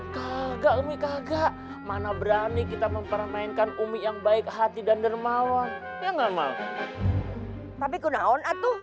kagak kagak mana berani kita mempermainkan umi yang baik hati dan dermawan tapi gunaon atuh